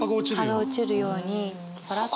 葉が落ちるようにパラッと。